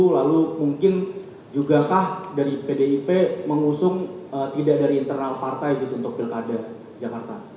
lalu mungkin juga kah dari dip mengusung tidak dari internal partai untuk pilkada jakarta